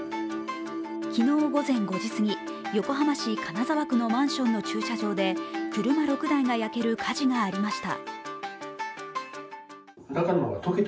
昨日午前５時すぎ、横浜市金沢区のマンションの駐車場で車６台が焼ける火事がありました。